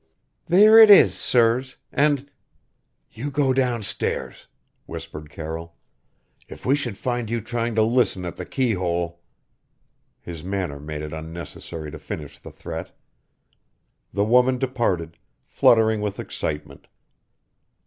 "There it is, sirs and " "You go downstairs," whispered Carroll. "If we should find you trying to listen at the keyhole " His manner made it unnecessary to finish the threat. The woman departed, fluttering with excitement.